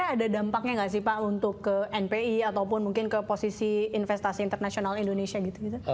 ada dampaknya nggak sih pak untuk ke npi ataupun mungkin ke posisi investasi internasional indonesia gitu